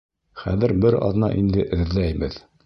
Хәҙер бер аҙна инде эҙләйбеҙ.